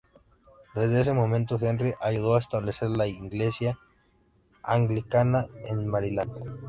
Desde ese momento, Henry ayudó a establecer la Iglesia Anglicana en Maryland.